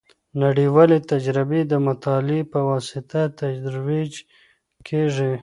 نړیوالې تجربې د مطالعې په واسطه ترویج کیږي.